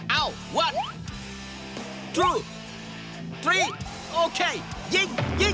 เอ้าวันทรูตรีโอเคยิง